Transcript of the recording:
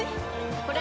これ！